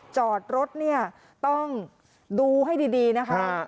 จอดรถเนี่ยต้องดูให้ดีนะคะ